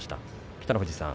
北の富士さん